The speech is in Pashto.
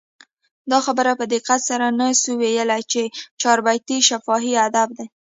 دا خبره په دقت سره نه سو ویلي، چي چاربیتې شفاهي ادب دئ.